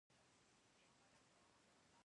آیا ربابي ته په محفل کې پورته ځای نه ورکول کیږي؟